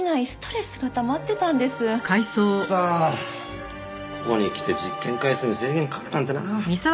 クソここに来て実験回数に制限かかるなんてな。